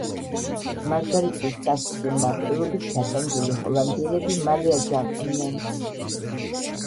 მარგარეტის სასტიკი მმართველობით გატანჯული ჰოლანდიელები მალე აჯანყდნენ.